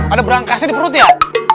ada berangkasnya di perut ya